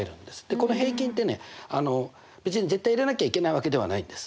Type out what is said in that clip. この平均ってね別に絶対入れなきゃいけないわけではないんです。